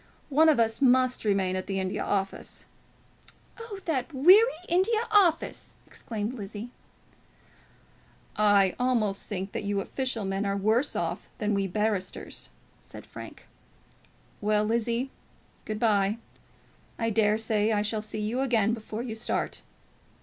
One of us must remain at the India Office " "Oh, that weary India Office!" exclaimed Lizzie. "I almost think you official men are worse off than we barristers," said Frank. "Well, Lizzie, good bye. I dare say I shall see you again before you start."